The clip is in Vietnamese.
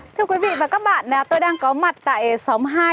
thưa quý vị và các bạn tôi đang có mặt tại xóm hai